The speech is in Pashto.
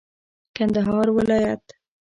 کندهار ولايت